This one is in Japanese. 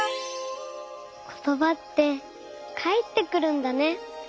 ことばってかえってくるんだね。